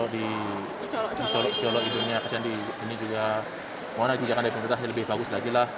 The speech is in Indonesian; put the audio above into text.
di colok colok idunya ini juga mohonlah dikunjakan dari pemerintah ya lebih bagus lagi lah